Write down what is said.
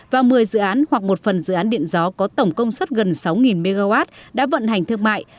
và một mươi dự án hoặc một phần dự án điện gió có tổng công suất gần sáu mw đã vận hành thương mại